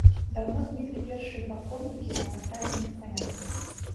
Даўно зніклі першыя два коннікі на накрадзеных конях.